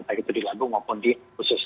tidak di lambung maupun di usus